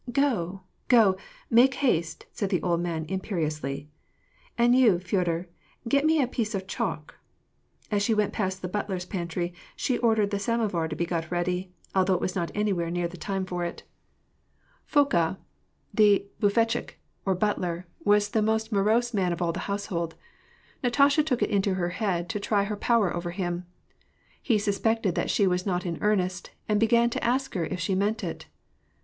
" Go, go, make haste," said the old man imperiously. " And you, Feodor, get me a piece of chalk." As she went past the butler's pantry, she ordered the sam ovar to be got ready, although it was not anywhere near the time for it. 284 WAR AND PEACE. Foka, the hufetchik or butler, was the most morose man of all the household. Natasha took it into her head to try her power over him. He suspected that she was not in earnest, and began to ask her if she meant it.